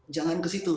jangan ke situ